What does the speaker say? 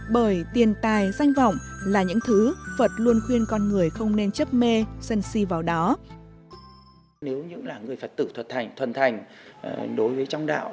bởi tiền tài danh vọng là những thứ phật luôn khuyên con người không nên chấp mê sân si vào đó